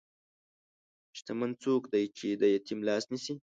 شتمن څوک دی چې د یتیم لاس نیسي.